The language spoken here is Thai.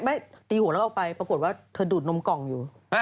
ไม่ตีหัวแล้วเอาไปปรากฏว่าเธอดูดนมกล่องอยู่